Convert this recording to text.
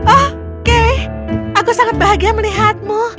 oh kay aku sangat bahagia melihatmu